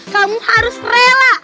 kamu harus rela